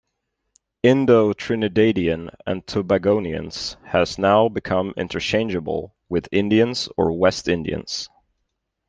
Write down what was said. Indo-Trinidadian and Tobagonians has now become interchangeable with Indians or West Indians.